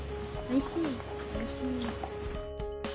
おいしい。